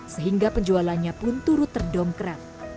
sehingga penjualannya pun turut terdom kerap